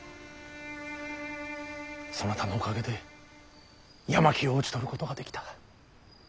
そなたのおかげで山木を討ち取ることができた。